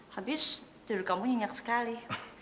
habis tidur kamu nyenyak sekali